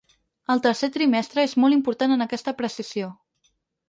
El tercer trimestre és molt important en aquesta apreciació.